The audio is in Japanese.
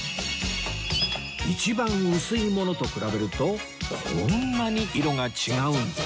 一番薄いものと比べるとこんなに色が違うんです